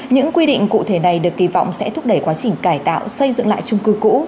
những quy định cụ thể này được kỳ vọng sẽ thúc đẩy quá trình cải tạo xây dựng lại trung cư cũ